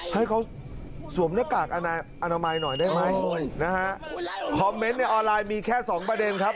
ให้เขาสวมหน้ากากอนามัยหน่อยได้ไหมนะฮะคอมเมนต์ในออนไลน์มีแค่สองประเด็นครับ